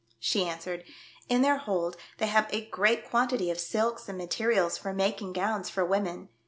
She answered, "In their hold they have a great quantity of silks and materials for making gowns for women.